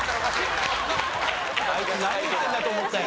あいつ何言ってんだと思ったよね。